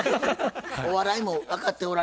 お笑いも分かっておられますね